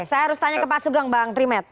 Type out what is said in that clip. saya harus tanya ke pak sugeng bang trimet